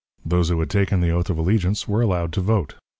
Those who had taken the oath of allegiance were allowed to vote.